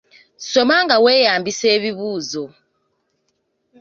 Soma nga weeyambisa ebibuuzo.